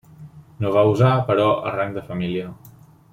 No va usar però el rang de família.